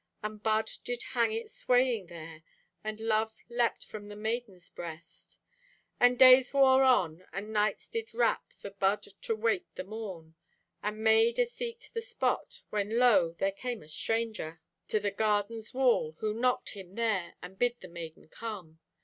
And bud did hang it swaying there, And love lept from the maiden's breast. And days wore on; and nights did wrap The bud to wait the morn; And maid aseeked the spot. When, lo, there came a Stranger To the garden's wall, Who knocked Him there And bid the maiden come.